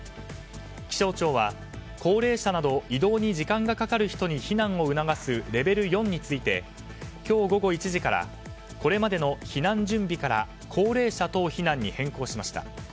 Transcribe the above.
気象庁は高齢者など移動に時間がかかる人に避難を促すレベル４について今日午後１時からこれまでの避難準備から高齢者等避難に変更しました。